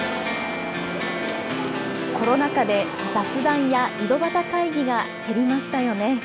コロナ禍で雑談や、井戸端会議が減りましたよね。